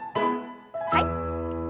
はい。